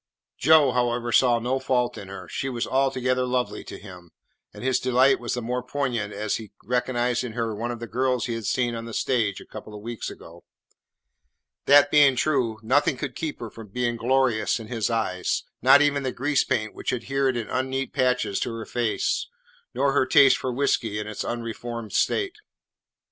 Joe, however, saw no fault in her. She was altogether lovely to him, and his delight was the more poignant as he recognised in her one of the girls he had seen on the stage a couple of weeks ago. That being true, nothing could keep her from being glorious in his eyes, not even the grease paint which adhered in unneat patches to her face, nor her taste for whiskey in its unreformed state.